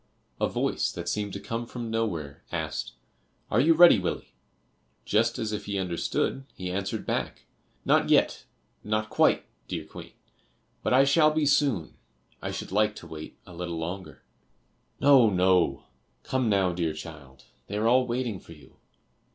A voice that seemed to come from nowhere asked "Are you ready, Willie?" Just as if he understood he answered back "Not yet, not quite, dear Queen, but I shall be soon. I should like to wait a little longer." "No, no, come now, dear child; they are all waiting for you."